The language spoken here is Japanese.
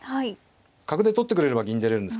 角で取ってくれれば銀出れるんですけど。